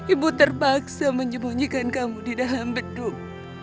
ibu terpaksa menjemunyikan kamu di dalam bedung